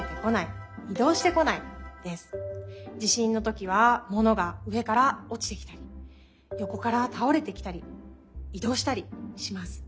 地しんのときはものがうえからおちてきたりよこからたおれてきたりいどうしたりします。